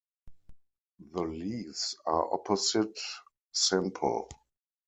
The leaves are opposite, simple.